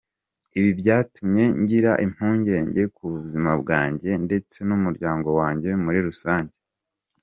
Ibi byatumye ngira impungenge ku buzima bwanjye ndetse n’umuryango wanjye muri rusange”.